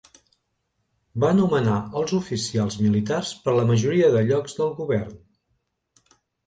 Va nomenar els oficials militars per la majoria de llocs del govern.